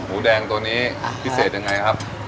หมูแดงตัวนี้พิเศษยังไงครับ